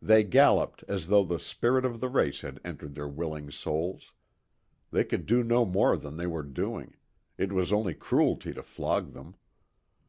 They galloped as though the spirit of the race had entered their willing souls. They could do no more than they were doing; it was only cruelty to flog them.